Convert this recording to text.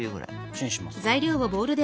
チンしますか。